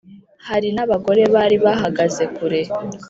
Hari n abagore bari bahagaze kure